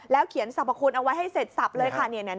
เขียนสรรพคุณเอาไว้ให้เสร็จสับเลยค่ะ